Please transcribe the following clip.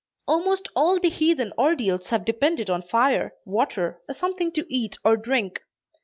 Almost all the heathen ordeals have depended on fire, water, or something to eat or drink.